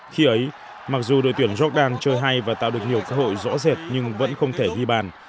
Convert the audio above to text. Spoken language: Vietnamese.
khi ấy mặc dù đội tuyển jordan chơi hay và tạo được nhiều cơ hội rõ rệt nhưng vẫn không thể ghi bàn